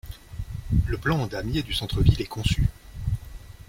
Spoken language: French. Le plan en damier du centre-ville est conçu.